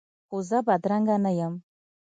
خو زه بدرنګه نه یم